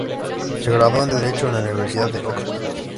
Se graduó en Derecho en la Universidad de Oxford.